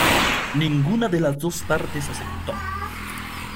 Ninguna de las dos partes aceptó.